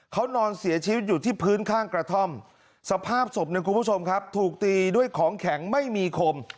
เขานอนเสียชีวิตอยู่ที่พื้นข้างกระท่อมสภาพศพเนี่ยคุณผู้ชมครับถูกตีด้วยของแข็งไม่มีคม